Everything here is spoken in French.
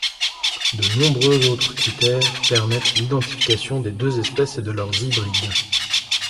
De nombreux autres critères permettent l'identification des deux espèces et de leurs hybrides.